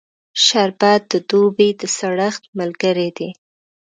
شربت د دوبی د سړښت ملګری دی